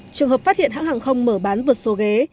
trường hợp phát hiện hãng hàng không mở bán vượt số ghế